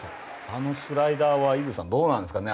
あのスライダーは井口さんどうなんですかね？